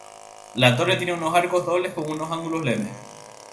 La torre tiene unos arcos dobles con unos ángulos leves.